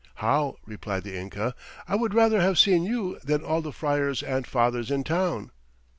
'How,' replied the Inca, 'I would rather have seen you than all the Friers and Fathers in Town.'